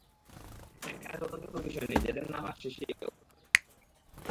এখানে তদন্তের কোনো বিষয় নেই, যাঁদের নাম আসছে, সেই অপরাধীরা শাস্তি পাবে।